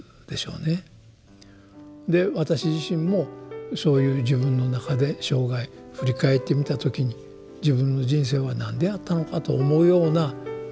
で私自身もそういう自分の中で生涯振り返って見た時に自分の人生はなんであったのかと思うような連続ですよ。